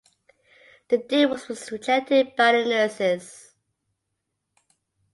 The deal was rejected by the nurses.